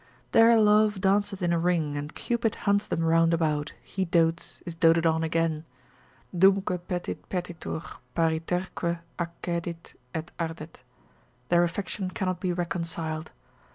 Their love danceth in a ring, and Cupid hunts them round about; he dotes, is doted on again. Dumque petit petitur, pariterque accedit et ardet, their affection cannot be reconciled.